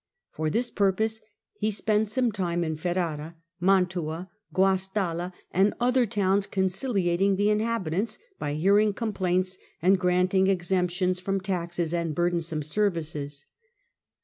For iSy' this purpose he spent some time in Ferrara, Mantua, Guastalla, and other towns, conciliating the inhabitants by hearing complaints, and granting ex emptions from taxes and burdensome services.